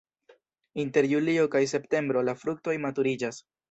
Inter julio kaj septembro la fruktoj maturiĝas.